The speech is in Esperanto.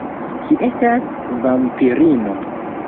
Ŝi estas vampirino.